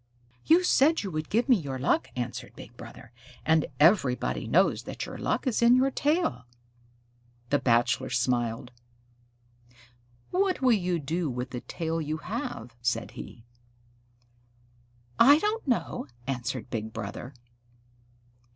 "You said you would give me your luck," answered Big Brother, "and everybody knows that your luck is in your tail." The Bachelor smiled. "What will you do with the tail you have?" said he. "I don't know," answered Big Brother.